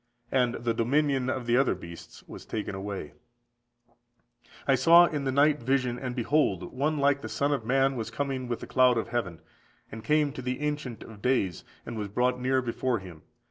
And the dominion of the other beasts was taken away."14501450 Dan. vii. 9–12. 22. "I saw in the night vision, and, behold, one like the Son of man was coming with the clouds of heaven, and came to the Ancient of days, and was brought near before Him.